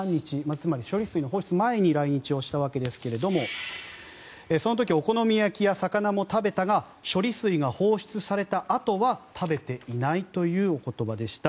つまり処理水の放出前に来日したわけですがその時お好み焼きや魚も食べたが処理水が放出されたあとは食べていないというお言葉でした。